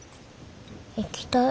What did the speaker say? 行きたい。